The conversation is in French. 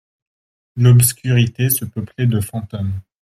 L'obscurité se peuplait de fantômes.